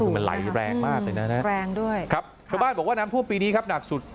มันไหลแรงมากเลยนะครับครับบ้านบอกว่าน้ำพ่วนปีนี้ครับหนักสุด